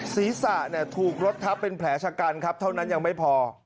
ศีรษะถูกรถทับเป็นแผลชะกันครับเท่านั้นยังไม่พอ